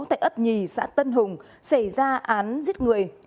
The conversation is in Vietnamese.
tại ấp nhì xã tân hùng xảy ra án giết người